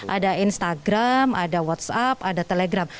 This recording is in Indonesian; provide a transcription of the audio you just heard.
ada instagram ada whatsapp ada telegram